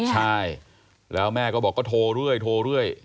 ใช่แล้วแม่ก็บอกก็โทรเรื่อย